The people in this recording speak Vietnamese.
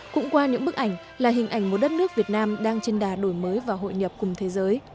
cũng qua những bức ảnh là hình ảnh một đất nước việt nam đang trên đà đổi mới và hội nhập cùng thế giới